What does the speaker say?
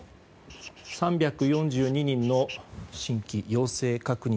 ３４２人の新規陽性確認。